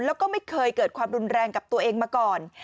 แล้วก็ไม่เคยเกิดความรุนแรงกับตัวเองมาก่อน